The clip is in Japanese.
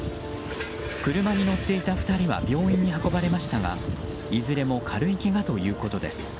車に乗っていた２人は病院に運ばれましたがいずれも軽いけがということです。